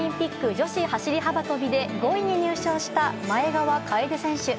女子走り幅跳びで５位に入賞した前川楓選手。